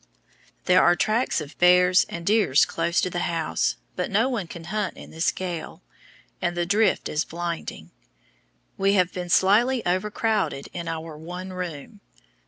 There are tracks of bears and deer close to the house, but no one can hunt in this gale, and the drift is blinding. We have been slightly overcrowded in our one room.